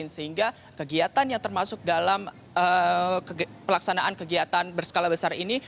sehingga kegiatan yang termasuk dalam pelaksanaan kegiatan berskala besar ini